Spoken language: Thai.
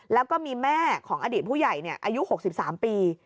แล้วก็มีแม่ของอดีตผู้ใหญ่อายุ๖๓ปี